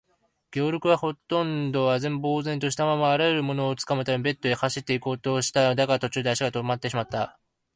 ゲオルクは、ほとんど呆然ぼうぜんとしたまま、あらゆるものをつかむためベッドへ走っていこうとした。だが、途中で足がとまってしまった。